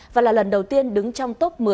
và là lần đầu tiên đứng trong top một mươi